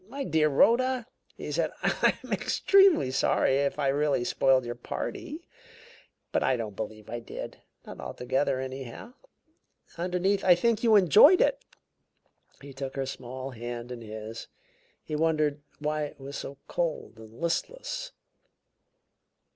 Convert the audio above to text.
"My dear Rhoda," he said, "I'm extremely sorry if I really spoiled your party, but I don't believe I did not altogether, anyhow. Underneath, I think you enjoyed it." He took her small hand in his; he wondered why it was so cold and listless.